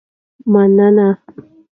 مننه.